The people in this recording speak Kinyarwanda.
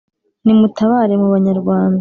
nimutabare mu banyarwanda